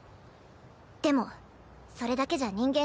でもそれだけじゃ人間